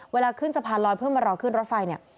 เวลาขึ้นสะพานลอยเพื่อมารอขึ้นรถไฟเนี่ย